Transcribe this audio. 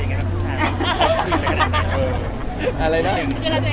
อ๋อน้องมีหลายคน